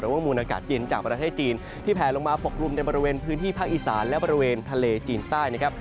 ว่ามูลอากาศเย็นจากประเทศจีนที่แผลลงมาปกกลุ่มในบริเวณพื้นที่ภาคอีสานและบริเวณทะเลจีนใต้นะครับ